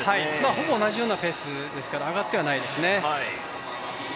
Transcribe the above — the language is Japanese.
ほぼ同じようなペースですから、上がってはいないですね。